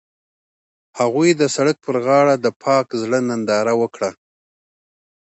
هغوی د سړک پر غاړه د پاک زړه ننداره وکړه.